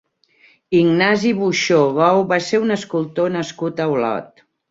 Ignasi Buxó Gou va ser un escultor nascut a Olot.